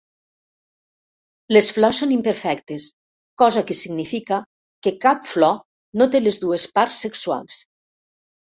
Les flors són imperfectes, cosa que significa que cap flor no té les dues parts sexuals.